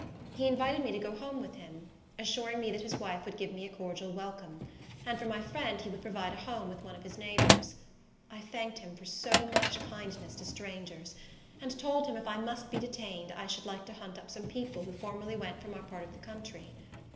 He invited me to go home with him, assuring me that his wife would give me a cordial welcome; and for my friend he would provide a home with one of his neighbors. I thanked him for so much kindness to strangers, and told him if I must be detained, I should like to hunt up some people who formerly went from our part of the country.